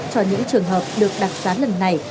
cho những trường hợp được đặc xá lần này